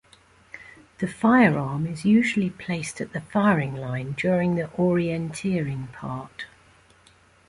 The firearm is usually placed at the firing line during the orienteering part.